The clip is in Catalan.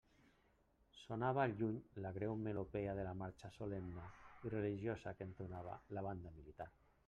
Sonava al lluny la greu melopea de la marxa solemne i religiosa que entonava la banda militar.